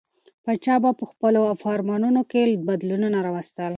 پاچا به په خپلو فرمانونو کې بدلونونه راوستل.